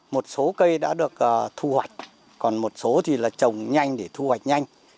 một số cây đã được thu hoạch còn một số thì là trồng nhanh để thu hoạch nhanh